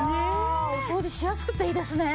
お掃除しやすくていいですね。